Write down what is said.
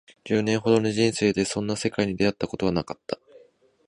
十年ほどの人生でそんな世界に出会ったことはなかった